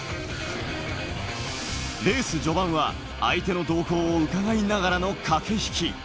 レース序盤は相手の動向をうかがいながらの駆け引き。